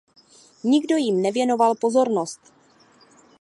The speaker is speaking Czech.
Nikdo jim nevěnoval pozornost.